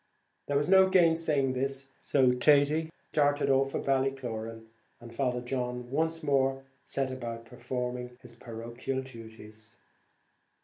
There was no gainsaying this, so Thady started off for Ballycloran, and Father John once more set about performing his parochial duties.